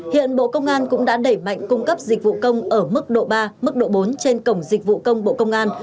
hiện bộ công an cũng đã đẩy mạnh cung cấp dịch vụ công ở mức độ ba mức độ bốn trên cổng dịch vụ công bộ công an